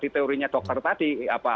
teorinya dokter tadi